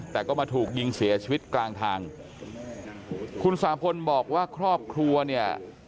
แต่ก็มาถูกยิงเสียชีวิตกลางทางคุณสาพลบอกว่าครอบครัวเนี่ย